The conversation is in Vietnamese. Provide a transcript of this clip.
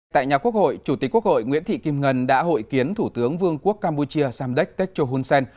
tại nhà quốc hội chủ tịch quốc hội nguyễn thị kim ngân đã hội kiến thủ tướng vương quốc campuchia samdech techo hun sen